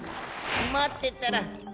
待ってったら！